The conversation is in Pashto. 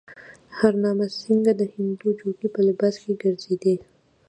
هرنام سینګه د هندو جوګي په لباس کې ګرځېدی.